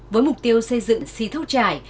với mục tiêu xây dựng xí thâu trải